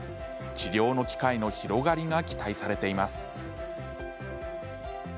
治療の機会の広がりが期待されています。